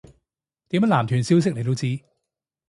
點解男團消息你都知